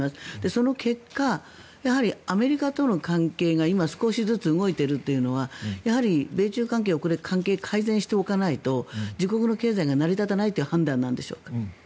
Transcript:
その結果、アメリカとの関係が今少しずつ動いているというのはやはり、米中関係をここで改善しておかないと自国の経済が成り立たないという判断なんでしょうか？